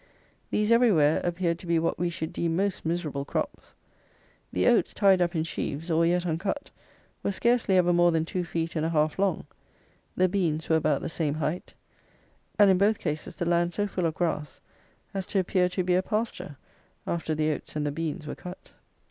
These everywhere appeared to be what we should deem most miserable crops. The oats, tied up in sheaves, or yet uncut, were scarcely ever more than two feet and a half long, the beans were about the same height, and in both cases the land so full of grass as to appear to be a pasture, after the oats and the beans were cut.